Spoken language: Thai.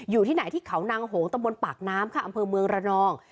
อยู่ที่ไหนที่เขานางโหงตะบนปากน้ำค่ะอำเภอเมืองระนอง